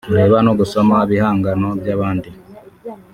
kureba no gusoma ibihangano by’abandi